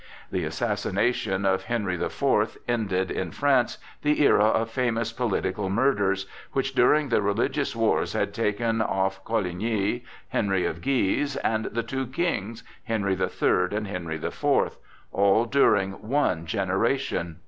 The assassination of Henry the Fourth ended in France the era of famous political murders, which during the religious wars had taken off Coligny, Henry of Guise, and the two kings, Henry the Third and Henry the Fourth, all during one generation.